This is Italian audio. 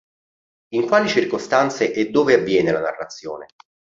In quali circostanze e dove avviene la narrazione?